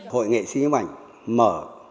hội nghệ sĩ nhếp ảnh mở